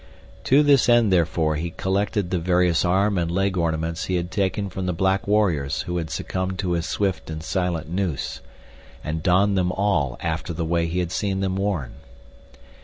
To this end, therefore, he collected the various arm and leg ornaments he had taken from the black warriors who had succumbed to his swift and silent noose, and donned them all after the way he had seen them worn.